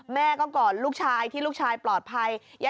แม่ก็กอดลูกชายที่ลูกชายปลอดภัย